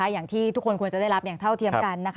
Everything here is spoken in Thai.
อย่างที่ทุกคนควรจะได้รับอย่างเท่าเทียมกัน